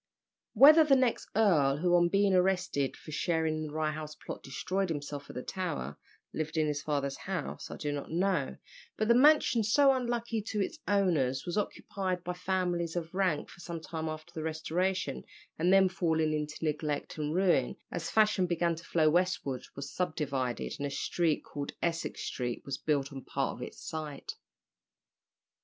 Whether the next earl, who on being arrested for sharing in the Rye House plot destroyed himself at the Tower, lived in his father's house, I do not know, but the mansion, so unlucky to its owners, was occupied by families of rank for some time after the Restoration, and then falling into neglect and ruin, as fashion began to flow westward, was subdivided, and a street, called Essex Street, was built on part of its site.